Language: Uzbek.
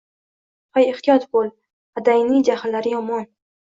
Hoy, ehtiyot bo‘l, adangning jahllari yomon.